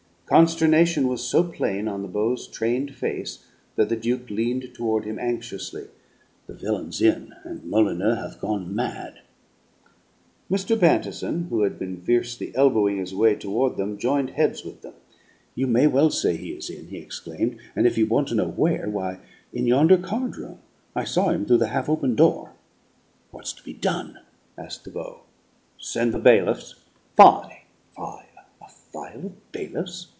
Consternation was so plain on the Beau's trained face that the Duke leaned toward him anxiously. "The villain's in, and Molyneux hath gone mad!" Mr. Bantison, who had been fiercely elbowing his way toward them, joined heads with them. "You may well say he is in," he exclaimed "and if you want to know where, why, in yonder card room. I saw him through the half open door." "What's to be done?" asked the Beau. "Send the bailiffs " "Fie, fie! A file of bailiffs?